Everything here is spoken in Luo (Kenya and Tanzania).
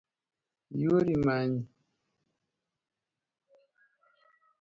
Yuori manyi